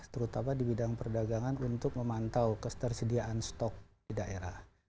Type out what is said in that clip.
terutama di bidang perdagangan untuk memantau ketersediaan stok di daerah